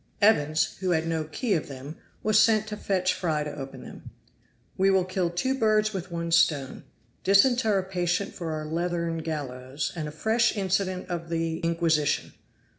Evans, who had no key of them, was sent to fetch Fry to open them. "We will kill two birds with one stone disinter a patient for our leathern gallows, and a fresh incident of the Inquisition.